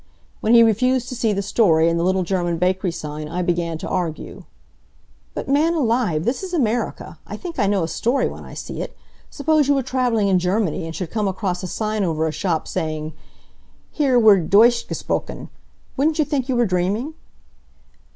When he refused to see the story in the little German bakery sign I began to argue. "But man alive, this is America! I think I know a story when I see it. Suppose you were traveling in Germany, and should come across a sign over a shop, saying: 'Hier wird Deutsch gesprochen.' Wouldn't you think you were dreaming?"